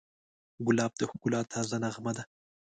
ګلاب د ښکلا تازه نغمه ده.